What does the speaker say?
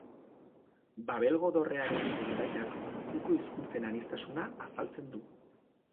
Babelgo dorrearen kondairak munduko hizkuntzen aniztasuna azaltzen du.